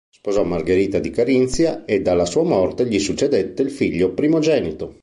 Sposò Margherita di Carinzia ed alla sua morte gli succedette il figlio primogenito